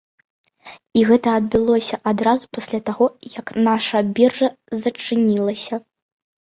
І гэта адбылося адразу пасля таго, як наша біржа зачынілася.